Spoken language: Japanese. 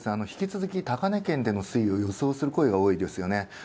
引き続き高値圏での推移を予想する声が多いですね。